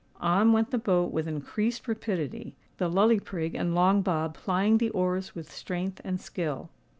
On went the boat with increased rapidity, the Lully Prig and Long Bob plying the oars with strength and skill.